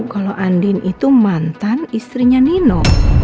kalau andin itu mantan istrinya nino